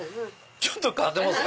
ちょっと変わってます。